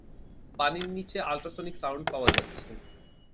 পানির নিচে ultrasonic sound পাওয়া যাচ্ছে।